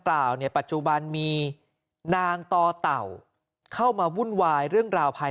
กล่าวเนี่ยปัจจุบันมีนางต่อเต่าเข้ามาวุ่นวายเรื่องราวภาย